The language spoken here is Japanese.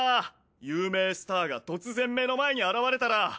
有名スターが突然目の前に現れたら。